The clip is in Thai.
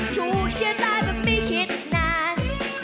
ถูกเชื่อตายแบบไม่คิดนาน